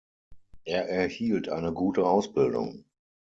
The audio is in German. Er erhielt eine gute Ausbildung.